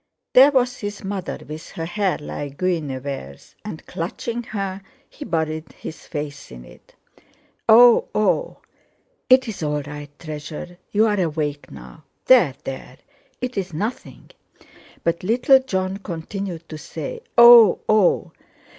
There was his mother, with her hair like Guinevere's, and, clutching her, he buried his face in it. "Oh! oh!" "It's all right, treasure. You're awake now. There! There! It's nothing!" But little Jon continued to say: "Oh! oh!"